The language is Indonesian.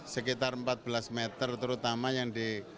sekitar empat belas meter terutama yang di